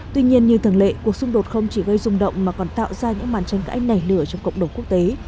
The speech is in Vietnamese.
tuy nhiên như thường lệ cuộc xung đột không chỉ gây rung động mà còn tạo ra những màn tranh cãi nảy lửa trong cộng đồng quốc tế